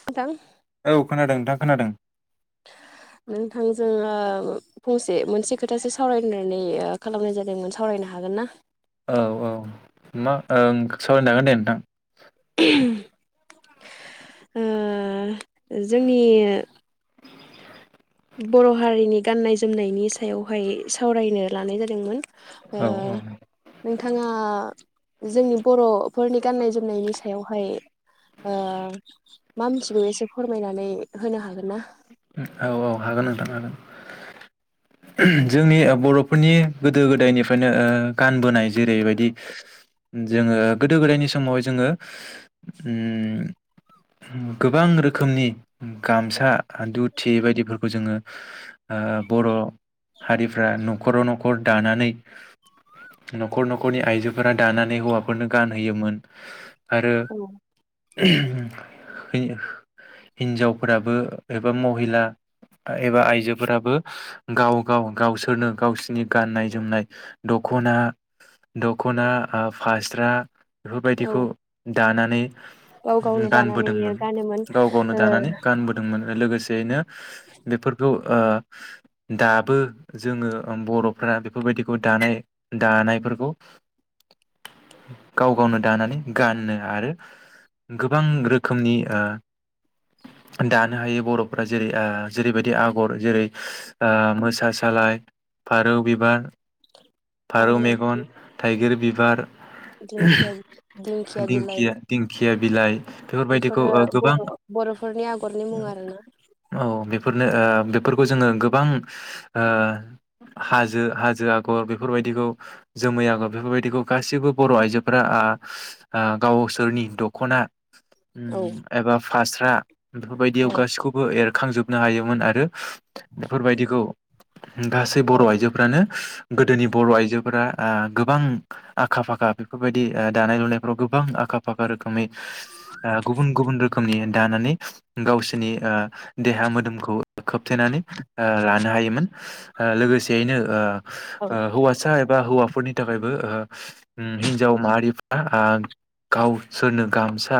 नोंथां औ खोनादों नोंथां खोनादों नोंथांजों आं फंसे मोनसे खोथासो सावरायनानै खालामनाय जादोंमोन सावरायनो हागोन ना? औ-औ मा ओं सावरायनो हागोन दे नोंथां। [unintelligible] ओ जोंनि बर हारिनि गाननाय जोमनायनि सायावहाय सावरायनो लानाय जादोंमोन। ओ औ नोंथाङा। जोंनि बर'फोरनि गान्नाय जोमनायनि सायावहाय ओ मा मोनथिगौ एसे फोरमायनानै होनो हागोन ना। औ औ हागोन नोंथां हागोन जोंनि बर'फोरनि गोदो गोदायनिफ्रायनो गानबोनाय जेरैबायदि जोङो गोदो गोदायनि समावहाय जोङो गोबां रोखोमनि गामसा ओ दुथा बायदिफोरखौ जोङो। ओ बर' हारिफ्रा न'खराव न'खर दानानै न'खर न'खरनि आइजोफोरा दानानै हौवाफोरनो गानहोयोमोन। आरो औ हिन-हिन्जावफोराबो। एबा महिला एबा आइजोफोराबो गाव-गाव-गावसोरनो गावसोरनि गाननाय जोमनाय दखना दखना ओ फास्रा बेफोरबायदिखौ औ दानानै गाव गावनो दानानै गानबोदोंमोन गानोमोन गाव गावनो ओ दानानै गानबोदोंमोन। लोगोसेयैनो बेफोरखौ ओ दाबो जोङो बर'फ्रा बेफोरबायदिखौ दानाय दानायफोरखौ गाव गावनो दानानै गानो आरो गोबां रोखोमनि ओ दानो हायो। बर'फ्रा जेरै ओ जेरैबायदि आगर जेरै मोसा सालाय फारौ बिबार। फारौ मेगन, थाइगिर बिबार दिंखिया दिंखिया दिंखिया। बिलाइ बेफोरबायदिखौ बेफोरो ओ गोबां बर‌' बर'फोरनि आगरनि मुं आरो। औ बेफोरनो ओ बेफोरखौ जोङो गोबां ओ हाजो हाजो आगर बेफोरबायदिखौ जोमै आगर बेफोरबायदिखौ गासिबो बर' आइजोफोरा ओ गावसोरनि दखना। औ एबा फासर फ्रा बेफोरबायद औ गासिखौबो एर खांजोबनो हायोमोन आरो बेफोरबायदिखौ गासै औ बर' आइजोफ्रानो। गोदोनि बर आइजोफोरा गोबां आखा फाखा बेफोरबायदि दानाय लुनायफ्राव गोबां ओ आखा फाखा रोख खामै ओ गुबुन गुबुन रोखोमनि दानानै गावसो रनि ओ देहा मोदोमखौ खोबथेनानै ओ लानो हायोमोन। ओ लोगोसेयैनो ओ औ ओ हौवासा एबा हौवाफोरनि थाखायबो। ओ ओम हिनजाव माहारिफ्रा गावसोरनो गामसा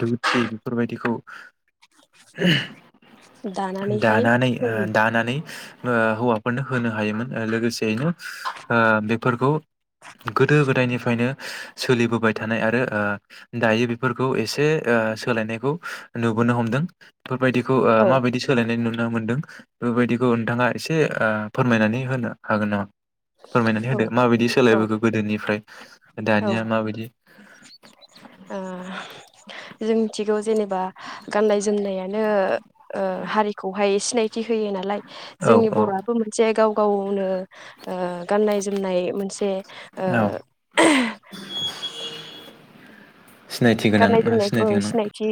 दुम बेफोरबायदिखौ दानानैहाय दानानै ओ जों दानानै। ओ हौवाफोरनो होनो हायोमोन लोगोसेयैनो ओ बेफोरखौ गोदो गोदायनिफ्रायनो सोलिबोबाय थानाय आरो ओ दायो बेफोरखौ एसे ओ सोलायनायखौ नु बोनो हमदों बेफोरबायदिखौ ओ औ माबायदि सोलायनाय नुनो मोन्दों बेबायदिखौ नोंथांङा एसे ओ फोरमायनानै होनो हागोन नामा फोरमायनानै होदो औ माबायदि औ सोलायबोखो गोदोनिफ्राय औ दानिया माबायदि ओ जों मिथिगौ जेनेबा गाननाय जोमनायानो बिनो ओ हारिखौहाय सिनायथि होयो नालाय औ जोंनि औ बर'आबो मोनसे गाव ओवनो ओ गाननाय जोमनाय मोनसे ओ औ सिनायथि गोनां गाननाय जोमनाय औ गोनां सिनायथि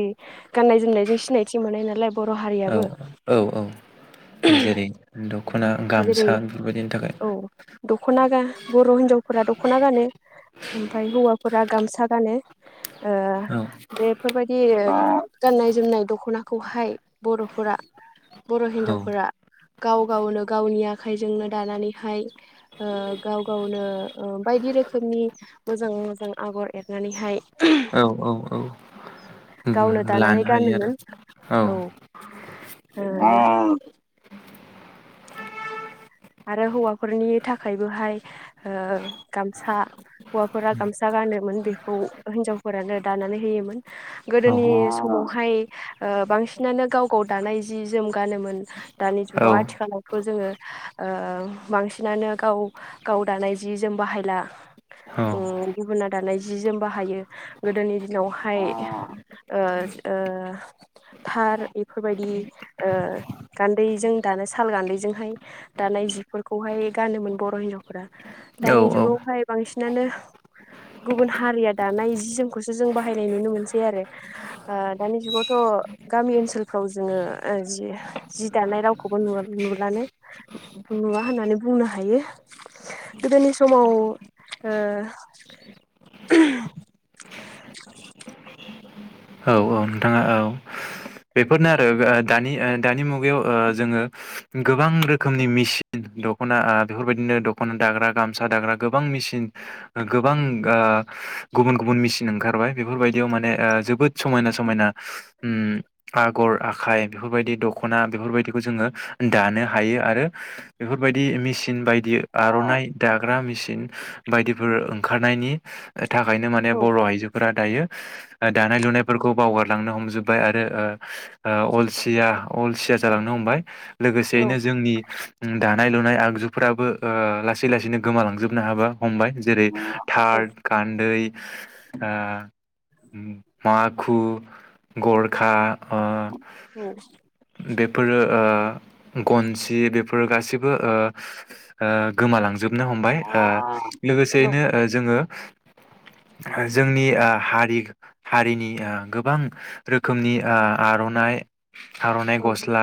गाननाय जोमनायजों सिनायथिं मोननाय नालाय बर' औ हारियाबो औ औ जेरै दख'ना जेरै गामसा बेफोरबायदिनि थाखाय औ दख'ना गा बर' हिन्जावफोरा दख'ना गानो ओमफ्राय हौवाफोरा गामसा गानो ओ औ बेफोरबायदि गाननाय जोमनाय दख'नाखौहाय बर'फोरा बर' औ हिन्जावफोरा गाव गाव ल गावनि आखाइजोंनो दानानैहाय ओ गाव गावनो ओ बायदि रोखोमनि मोजा मोजां आगर एरनानैहाय औ औ औ गावनो दानानै लानो हायो गानोमोन आरो औ आरो हौवाफोरनि थाखायबोहाय ओ गामसा हौवाफोरा गामसा गानोमोन बेखौ हिनजावफोरानो दानानै होयोमोन औ गोदोनि समावहाय ओ बांसिनानो गाव गाव दानाय जि जोम गानोमोन दानि औ जुगाव आथिखालावथ जोंङो [inaudible] ओ ओ बांसिनानो गाव गाव दानाय जि जोम बाहायला औ उम गुबुना दानाय जि जोम बाहायो गोदोनि दिनावहाय ओ ओ थार बेफोरबायदि ओ गान्दैजों दानो साल गान्दैजोंहाय दानाय जिफोरखौहाय गानोमोन बर' हिनजावफोरा दानि औ औ जुगावहाय बांसिनानो गुबुन हारिया दानाय जि जोमखौसो जों बाहायनाय नुनो मोनसै आरो ओ दानि जुगावथ' गामि ओनसोलफ्राव जोंङो जि जि दानाय रावखौबोु नुलानो नुवा होननानै बुंनो हायो गोदोनि समाव ओ औ औ नोंथांङा औ बेफोरनो आरो दानि दानि मुगायाव ओ जोंङो गोबां रोखोमनि मेसिन दख'ना ओ बेफोरबायदिनो दख'ना दाग्रा गामसा दाग्रा गोबां मेसिन गोबां ओ गुबुन गुबुन मेसिन ओंखारबाय बेफोर बायदियाव माने ओ जोबोद समायना समायना उम आगर आखाय बेफोरबायदि दखना बेफोरबायदिखौ जोंङो दानो हायो आरो बेफोरबायदि मेसिन बायदि बियो औ आर'नाइ दाग्रा मिसिन बायदिफोर ओंखारनायनि थाखायनो माने औ बर' आइजोफोरा दायो दानाय लुनाय फोरखौ बावगारलांनो हमजोबबाय आरो ओ ओ अलसिया अलसिया जालांनो हमबाय औ लोगोसेयैनो जोंनि ओ दा नाय-लुनाय आगजुफ्राबो ओ लासै लासैनो गोमालांजोबनो हाबा हमबाय जेरै औ थार, गान्दै आ माखु, गरखा, ओ बेफोरो ओ गनसि बेफोर गासिबो ओ ओ गोमालांजोब नो हमबाय ओ लोगोसेयैनो ओ जोङो जोंनि ओ हारि हारिनि ओ गोबां रोखोमनि ओ आर'नाइ थारनाय गस्ला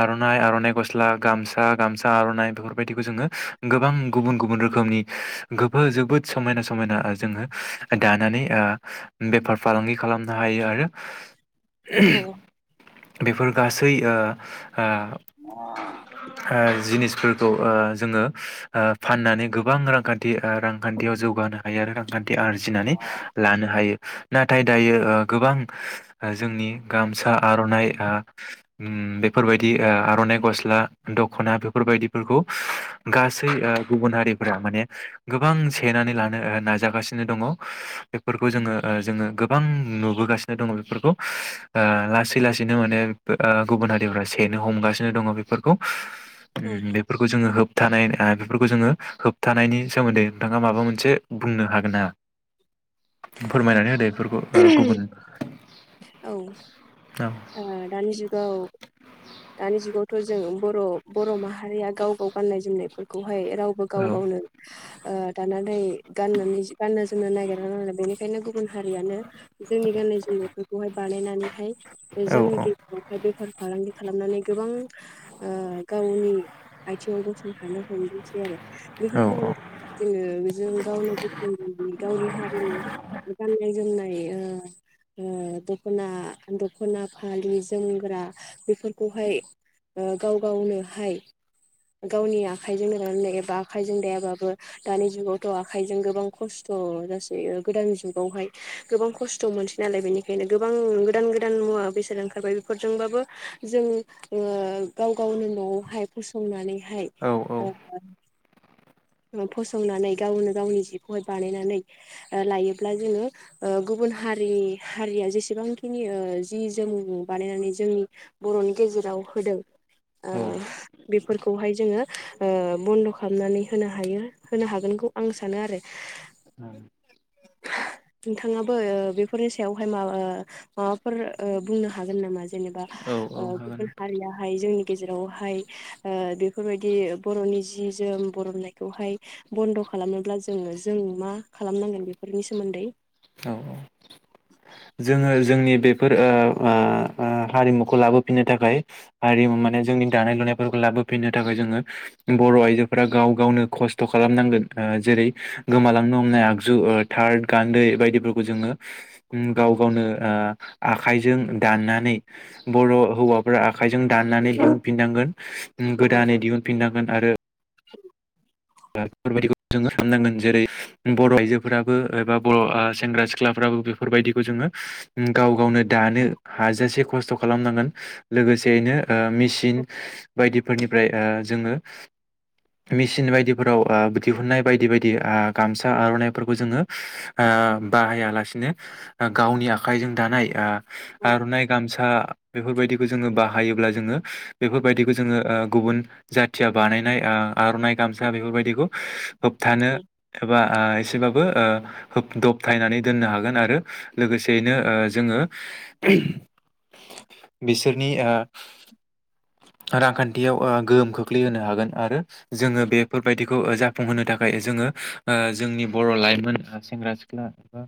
आर'नाइ आर'नाइ गस्ला गामसा गामसा आर'नाइ बेफोरबायदिखौ जोङो गोबां गुबुन गुबुन रोखोमनि गोबो जोबोद समायना समायना ओ जोङो दानानै ओ बेफार फालांगि खालामनो हायो आरो [inaudible] औ बेफोर गासै ओ ओ ओ जिनि फोरखौ ओ जोङो ओ फाननानै गोबां रांखान्थि ओ रांखान्थियाव जौगानो हायो आरोना रांखान थि आरजिनानै लानो हायो। नाथाय दायो ओ गोबां जोंनि गामसा आर'नाइ ओ बेफोरबायदि आर'नाइ गस्ला, दखना बेफोरबायदिफोरखौ गासै ओ गुबुन हारिफोरा माने गोबां सेनानै लानो नाजागासिनो दङ। बेफोरखौ जोङो ओ जोङो गोबां नुबोगासिनो दङ बेफोरखौ ओ लासै लासैनो माने ओ गुबुन हारिफ्रा सेनो हमगासिनो दङ बेफोरखौ उम बेफोरखौ जोङो होब थानाय बेफोरखौ जोङो होबथानायनि सोमोन्दै नोंथाङा माबा मोनसे बुंनो हागोन ना? फोरमायनानै होदो बेफोरखौ ओ गुबुन औ ओ औ दानि जुगाव दानि जुगाव थखौ जोंङो बर' बर' माहारिया गाव गाव गाननाय जोमनायफोरखौ बेहाय रावबो गाव औ गावनो ओ दानानै गाननानै गाननो जोमनो नागिरनालाय बेनिखायनो गु बुन हारियानो जोंनि गाननाय-जोमनाय फोरखौहाय बानायना नानैहाय बे औ जोंनि गेजेरावहाय बेफार-फालांगि खालामनानै गोबां ओ गावनि आयथिङाव गसंथानो हमदोंसै आरो औ बेफोरखौ औ हमथाना जोङो जों गावनो गोसो गावनि हारिनि गाननाय-जोमनाय ओ ओ दख'ना दख'ना, फालि, जोमग्रा बेफोरखौहाय ओ गाव गावनोहाय गावनि आखाइजों दानानै एबा आखाइजों दायाबाबो दानि जुगावथ आखाइजों गोबां खस्थ जासै ओब गोदान जुगावहाय गोबां खस्थ मोनसै नालाय बेनिखायनो गोबां गोदान गोदान मुवा बेसाद ओंखारबाय बेफोरजोंबाबो जों ओ गाव गावनो न'आवहाय फसंनानै हाय औ ओ फसंनानै गावनो गावनि जिखौहाय बानायनानै ओ लायोब्ला जोङो ओ गुबुन हारिनि हारिया जेसेबांखिनि ओ जि जोम बानायनानै जोंनि बर'नि गेजेराव होदों ओ औ बेफोरखौहाय ओ जोङो ओ बन्द' खालामनानै होनो हायो होनो हागोनखौ आं सानो आरो नोंथाङाबो ओ बे फरायसायावहाय माब ओ माबाफोर ओ बुंनो हागोन नामा? जेनेबा औ ओ हागोन बेफोर हारियाहाय जोंनि गेजेरावहाय ओ बेफोरबायदि बर'नि जि जोम बर'नायखौहाय बन्द' खालामोब्ला जोङो जों मा खालामनांगोन? बेफोरनि सोमोन्दै औ औ जोङो जोंनि बेफोर ओ ओ ओ हारिमुखौ लाबोफिननो थाखाय हारिमु माने जोंनि दानाय लुनायफोरखौ लाबोफिननो थाखाय जोङो बर' आइजोफोरा गाव गावनो खस्थ' खालामनांगोन ओ जेरै गोमालांनो हमनाय आगजु ओ थाद गान्दै बायदिफोरखौ जोङो उम गाव गावनो ओ आखाइजों दाननानै बर' हौवाफ्रा आखाइजों दाननानै दिहुनफिननांगोन। औ गोदानै दिहुनफिननां गोन आरो [inaudible] [unintelligible] जोङो खालामनांगोन जेरै बर' आइजोफोराबो एबा बर ओ सेंग्रा सिख्लाफ्राबो बेफोरबायदिखौ जोङो गाव गावनो दानो हाजासे खस्थ' खालामनांगोन लोगोसेयैनो ओ मिसिन बायदिफोरनिफ्राय ओ जोङो मिसिन बायदि फोराव ओ दिहुननाय बायदि बायदि आ गामसा आर'नाइफोरखौ जोङो ओ बाहायालासिनो ओ गावनि आखाइजों दानाय ओ औ आर'नाइ, गामसा बेफोरबायदिखौ जोङो बाह हायोब्ला जोङो बेफोरबायदिखौ जोङो ओ गुबुन जाथिया बानायनाय ओ आर'नाइ गाम सा बेफोरबायदिखौ होबथानो एबा आ एसेबाबो ओ होब दबथायनानै दोननो हागोन आरो लोगोसेयैनो ओ जोङो बिसोरनि ओ रांखान्थियाव ओ गोहोम खोख्लैहोनो हागोन आरो जोङो बे फोरबायदिखौ ओ जाफुंहोनो थाखाय जोङो ओ जोंनि बर' लाइमोनफोर सेंग्रा सिख्ला एबा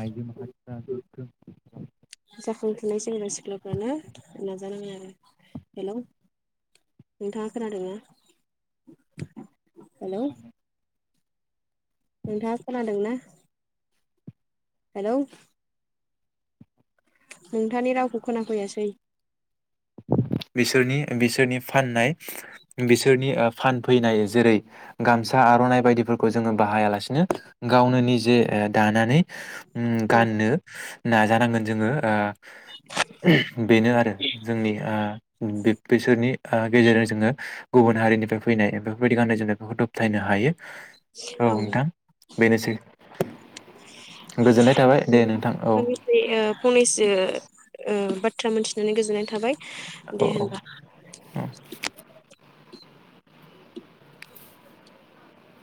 आइजो माहारिफ्रा [unintelligible] जाखांफुनाय सेंग्रा सिख्लाफ्रानो नाजानांगोन आरो हेलौ नोंथाङा खोनादोंना? हेलौ नोंथाङा खोनादोंना? हेलौ नोंथांनि रावखौ खोनाफैयासै। बिसोरनि ओ बिसोरनि फाननाय बिसोरनि ओब फानफैनाय जेरै गामसा आर'नाइ बायदिफोरखौ जोङो बाहायालासिनो गावनो निजे ओ दानानै उम औ गाननो नाजानांगोन जोङो ओ बेनो आरो जोंनि ओ बिब बिसोरनि ओ गेजेरजों जोङो गुबुन हारिनिफ्राय फैनाय बेफोरबायदि गाननाय जोमनायफोरखौ दबथायनो हायो। औ [unintelligible] बेनोसै गोजोननाय थाबाय दे नोंथां औ फंनैसो ओ बाद थ्रा मोनथिनानै गोजोननाय थाबाय। औ दे होनबा। औ